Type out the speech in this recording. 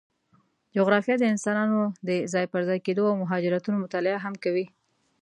جغرافیه د انسانانو د ځای پر ځای کېدو او مهاجرتونو مطالعه هم کوي.